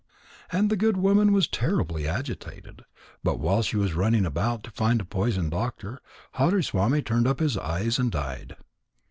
And the good woman was terribly agitated. But while she was running about to find a poison doctor, Hariswami turned up his eyes and died.